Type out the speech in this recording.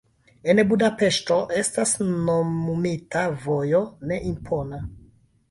En Budapeŝto estas nomumita vojo, ne impona.